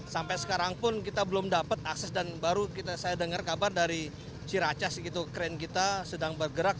sampai sekarang pun kita belum dapat akses dan baru saya dengar kabar dari ciracas kren kita sedang bergerak